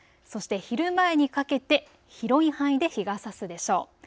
そして昼前にかけて広い範囲で日がさすでしょう。